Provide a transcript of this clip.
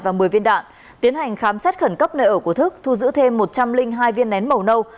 và một mươi viên đạn tiến hành khám xét khẩn cấp nơi ở của thức thu giữ thêm một trăm linh hai viên nén màu nâu